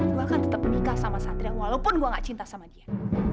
gue akan tetap menikah sama satria walaupun gue gak cinta sama dia